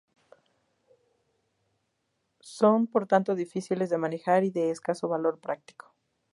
Son por tanto difíciles de manejar y de escaso valor práctico.